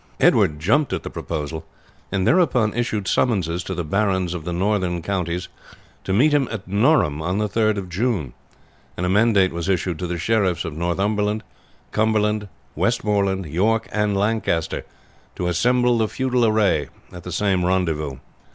Edward jumped at the proposal, and thereupon issued summonses to the barons of the northern counties to meet him at Norham on the 3d of June; and a mandate was issued to the sheriffs of Northumberland, Cumberland, Westmoreland, York, and Lancaster, to assemble the feudal array at the same rendezvous.